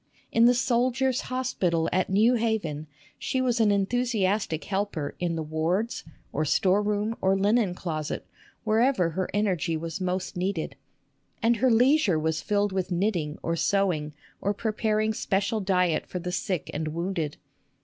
In the Soldiers' Hospital at New Haven she was an enthusiastic helper, in the wards, or storeroom, or linen closet, wherever her energy was most needed. And her leisure was filled with knitting or sewing or preparing special diet for the sick and wounded.